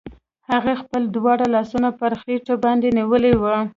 هغې خپل دواړه لاسونه پر خېټې باندې نيولي وو.